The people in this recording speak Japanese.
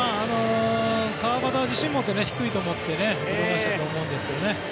川端は自信を持って低いと思って見逃したと思うんですけどね。